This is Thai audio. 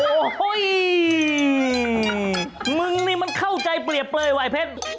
โอ้โหมึงนี่มันเข้าใจเปรียบเปลยวายเพชร